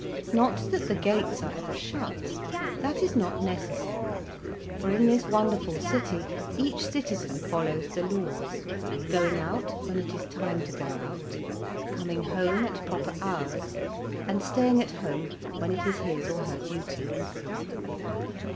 Not that the gates are ever shut: that is not necessary, for in this wonderful city each citizen follows the laws; going out when it is time to go out, coming home at proper hours, and staying at home when it is his or her duty.